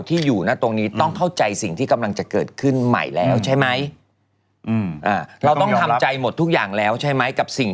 พี่ไม่ได้คิดมากแต่ในกองมันพูดให้พี่ฟัง